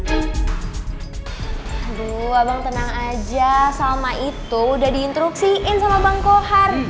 aduh abang tenang aja sama itu udah diinterupsiin sama bang kohar